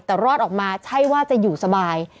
แต่รอดออกมาใช่ว่าจะอยู่สบาย